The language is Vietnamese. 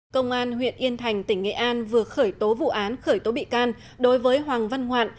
công an huyện yên thành tỉnh nghệ an vừa khởi tố vụ án khởi tố bị can đối với hoàng văn ngoạn